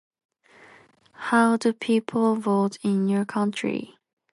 How do people vote in your country?